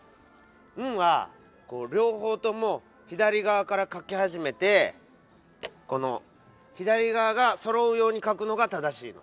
「ン」はりょうほうとも左がわから書きはじめてこの左がわがそろうように書くのが正しいの。